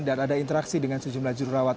dan ada interaksi dengan sejumlah jururawat